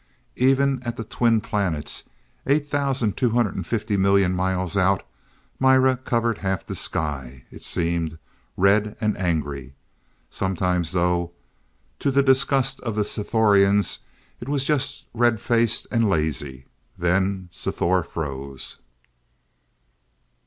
Even at the Twin Planets, eight thousand two hundred and fifty millions of miles out, Mira covered half the sky, it seemed, red and angry. Sometimes, though, to the disgust of the Sthorians it was just red faced and lazy. Then Sthor froze.